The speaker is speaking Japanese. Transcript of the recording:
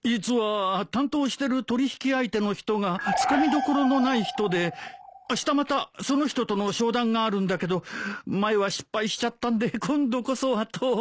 実は担当してる取引相手の人がつかみどころのない人であしたまたその人との商談があるんだけど前は失敗しちゃったんで今度こそはと。